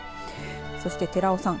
そして寺尾さん